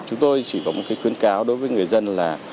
chúng tôi chỉ có một cái khuyến cáo đối với người dân là